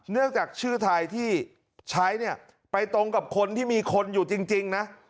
จากชื่อไทยที่ใช้เนี่ยไปตรงกับคนที่มีคนอยู่จริงนะ